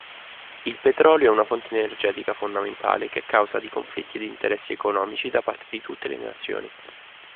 Il petrolio è una fonte energetica fondamentale che è causa di conflitti ed interessi economici da parte di tutte le nazioni.